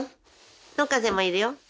野風もいるよ。